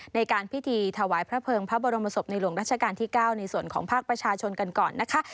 ในการพิธีถวายพระเภิงพระบรมศพในหลวงราชการที่๙ในส่วนของภาคประชาชนกันก่อนนะคะ